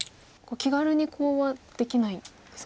気軽にコウはできないんですか。